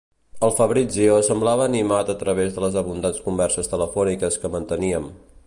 El Fabrizio semblava animat a través de les abundants converses telefòniques que manteníem.